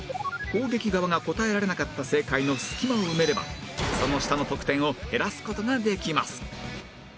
攻撃側が答えられなかった正解の隙間を埋めればその下の得点を減らす事ができます